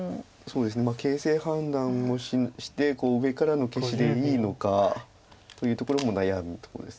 形勢判断もして上からの消しでいいのか。というところも悩むところです。